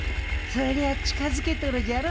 そりゃ近づけとるじゃろ。